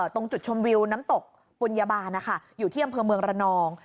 ตรงจุดชมวิวน้ำตกปุญญาบาลนะคะอยู่ที่อำเภอเมืองระนอง